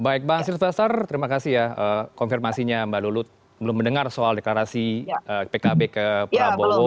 baik bang silvasar terima kasih ya konfirmasinya mbak lulut belum mendengar soal deklarasi pkb ke prabowo